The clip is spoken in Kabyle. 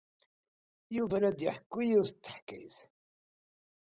Yuba la d-iḥekku yiwet n teḥkayt.